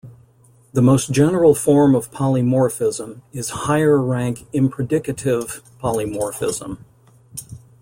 The most general form of polymorphism is "higher-rank impredicative polymorphism".